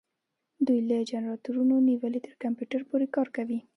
دوی له جنراتورونو نیولې تر کمپیوټر پورې کار کوي.